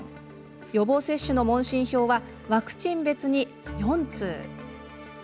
予防接種の問診票はワクチン別に４通。